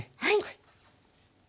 はい。